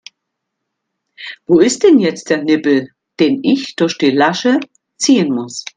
Wo ist denn jetzt der Nippel, den ich durch die Lasche ziehen muss?